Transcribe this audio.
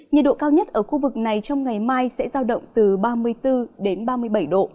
nhiệt độ cao nhất ở khu vực này trong ngày mai sẽ giao động từ ba mươi bốn đến ba mươi bảy độ